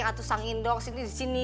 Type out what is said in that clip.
atau sang indor disini